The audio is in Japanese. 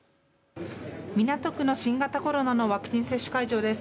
港区の新型コロナのワクチン接種会場です。